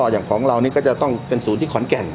อย่างว่าเราจะต้องเป็นสูญที่ขอนแก่ง